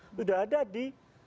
sudah ada di